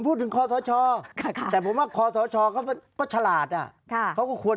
พูดถึงคสชรแต่ผมว่าคสชรก็ฉลาดอ่ะค่ะเขาก็ควร